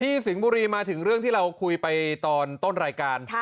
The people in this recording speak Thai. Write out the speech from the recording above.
สิงห์บุรีมาถึงเรื่องที่เราคุยไปตอนต้นรายการ